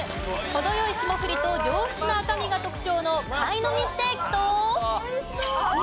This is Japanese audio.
程良い霜降りと上質な赤身が特徴のカイノミステーキと。